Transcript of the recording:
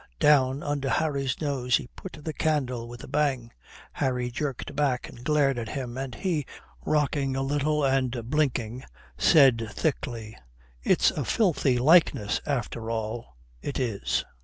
Down under Harry's nose he put the candle with a bang. Harry jerked back and glared at him, and he, rocking a little and blinking, said thickly, "It's a filthy likeness, after all, it is."